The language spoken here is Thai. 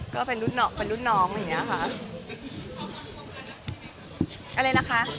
น้องเขามีบอกไนอย่างไร